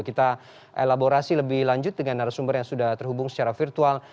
kita elaborasi lebih lanjut dengan narasumber yang sudah terhubung secara virtual